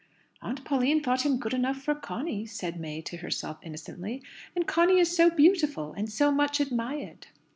"Aunt Pauline thought him good enough for Conny," said May to herself innocently; "and Conny is so beautiful, and so much admired!"